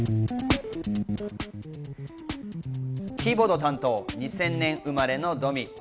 キーボード担当、２０００年生まれのドミ。